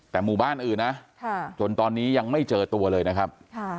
แต่หมู่บ้านอื่นนะจนตอนนี้ยังไม่เจอตัวเลยนะครับ